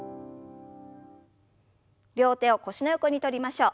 両手を腰の横に取りましょう。